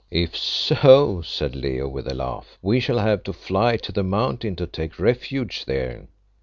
"If so," said Leo with a laugh, "we shall have to fly to the Mountain to take refuge there."